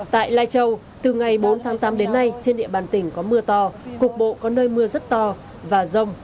tại lai châu từ ngày bốn tháng tám đến nay trên địa bàn tỉnh có mưa to cục bộ có nơi mưa rất to và rông